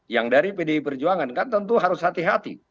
yang dari pdi perjuangan kan tentu harus hati hati